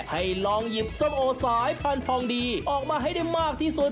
ให้ลองหยิบส้มโอสายพันธองดีออกมาให้ได้มากที่สุด